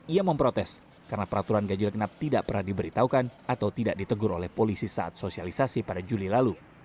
ia memprotes karena peraturan ganjil genap tidak pernah diberitahukan atau tidak ditegur oleh polisi saat sosialisasi pada juli lalu